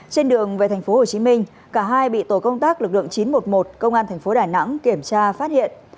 trên đường về tp hồ chí minh cả hai bị tổ công tác lực lượng chín trăm một mươi một công an tp đà nẵng kiểm tra phát hiện